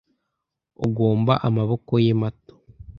Ugomba amaboko ye mato